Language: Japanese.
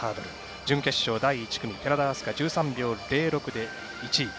準決勝第１組寺田が１３秒０６で１位。